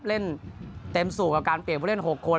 เล่นเต็มสู่กับการเปลี่ยนผู้เล่น๖คน